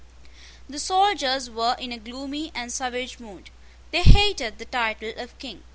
The soldiers were in a gloomy and savage mood. They hated the title of King.